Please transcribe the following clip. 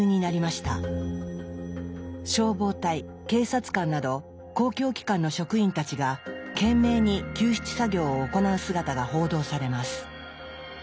消防隊警察官など公共機関の職員たちが懸命に救出作業を行う姿が報道されます。